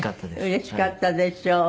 うれしかったでしょう。